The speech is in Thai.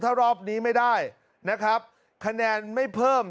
ถ้ารอบนี้ไม่ได้นะครับคะแนนไม่เพิ่ม